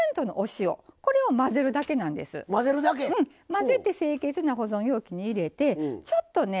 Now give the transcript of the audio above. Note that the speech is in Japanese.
混ぜて清潔な保存容器に入れてちょっとね